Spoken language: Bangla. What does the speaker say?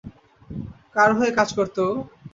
কার হয়ে কাজ করত ও?